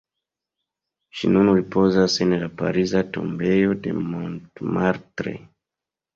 Ŝi nun ripozas en la pariza tombejo de Montmartre.